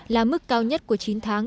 là mức cao nhất của chín tháng